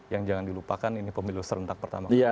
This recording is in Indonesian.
yang jangan dilupakan ini pemilu serentak pertama kali